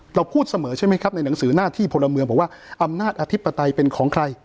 เราพูดเสมอใช่ไหมครับในหนังสือหน้าที่พลเมืองบอกว่าอำนาจอธิปไตยเป็นของใคร